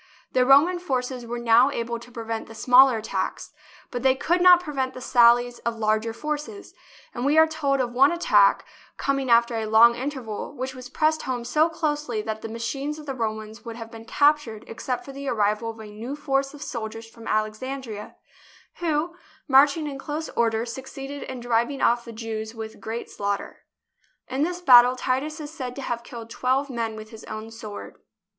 The Roman forces were now able to pre vent the smaller attacks, but they could not prevent the sallies of larger forces, and we are told of one attack, coming after a long interval, which was pressed home so closely that the machines of the Romans would have been captured except for the arrival of a new force of soldiers from Alexandria, who, marching in close order, succeeded in driving off the Jews with great slaughter. In this battle Titus is said to have killed twelve men with his own sword.